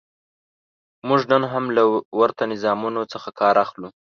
موږ نن هم له ورته نظامونو څخه کار اخلو.